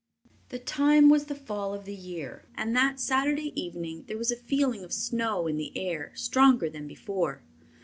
The time was the fall of the year, and that Saturday evening there was a feeling of snow in the air stronger than before.